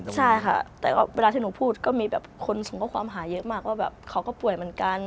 ใช่ค่ะแต่เวลาที่หนูพูดก็มีแบบคนส่งข้อความหาเยอะมากว่าแบบเขาก็ป่วยเหมือนกัน